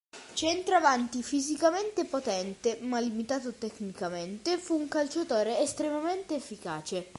Centravanti fisicamente potente ma limitato tecnicamente, fu un calciatore estremamente efficace.